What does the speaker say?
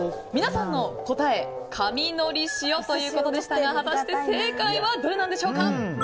皆さんの答えは神のり塩ということでしたが果たして正解はどれなんでしょうか。